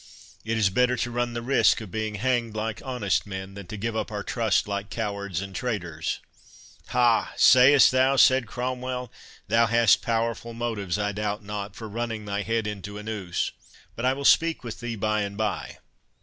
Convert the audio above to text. It is better to run the risk of being hanged, like honest men, than to give up our trust like cowards and traitors." "Ha! say'st thou?" said Cromwell; "thou hast powerful motives, I doubt not, for running thy head into a noose. But I will speak with thee by and by.